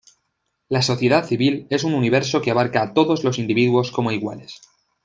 La sociedad civil es un universo que abarca a todos los individuos como iguales.